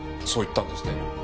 そう言ったんですね。